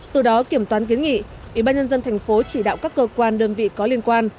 từ đó kiểm toán kiến nghị ủy ban nhân dân thành phố chỉ đạo các cơ quan đơn vị có liên quan